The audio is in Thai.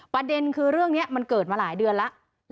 ประเด็นคือเรื่องนี้มันเกิดมาหลายเดือนแล้ว